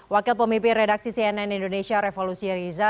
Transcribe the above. wakil pemimpin redaksi cnn indonesia revolusi riza